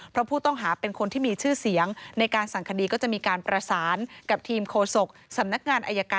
เพราะผู้ต้องหาเป็นคนที่มีชื่อเสียง